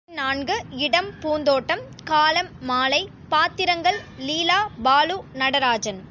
காட்சி நான்கு இடம் பூந்தோட்டம் காலம் மாலை பாத்திரங்கள் லீலா, பாலு, நடராஜன்.